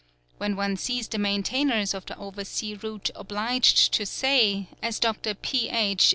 When one sees the maintainers of the oversea route obliged to say, as Dr. Ph.